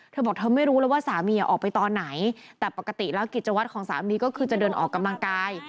เธอบอกเธอไม่รู้แล้วว่าสามีออกไปตอนไหนแต่ปกติแล้วกิจวัตรของสามีก็คือจะเดินออกกำลังกาย